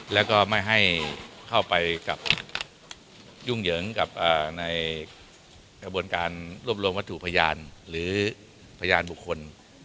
แล้วก็ไม่ให้เข้าไปกับยุ่งเหยิงกับในกระบวนการรวบรวมวัตถุพยานหรือพยานบุคคล